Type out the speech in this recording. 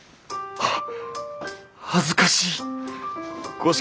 あっ。